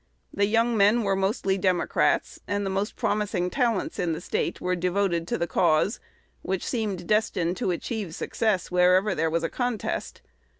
The young men were mostly Democrats; and the most promising talents in the State were devoted to the cause, which seemed destined to achieve success wherever there was a contest.